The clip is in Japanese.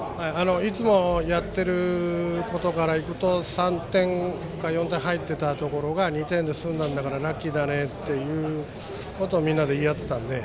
いつもやっていることから行くと３点か４点入っていたところが２点で済んだんだからラッキーだねということをみんなで言い合っていたので。